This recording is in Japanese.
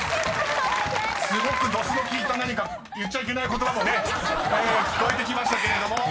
［すごくどすの利いた何か言っちゃいけない言葉もね聞こえてきましたけども］